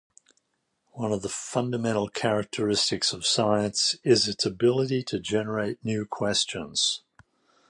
One of the fundamental characteristics of science is its ability to generate new questions.